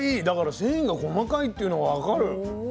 だから繊維が細かいっていうの分かる。